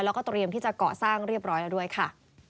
แล้วก็เตรียมที่จะเกาะสร้างเรียบร้อยแล้วด้วยค่ะ